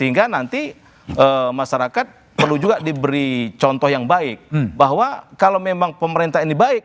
sehingga nanti masyarakat perlu juga diberi contoh yang baik bahwa kalau memang pemerintah ini baik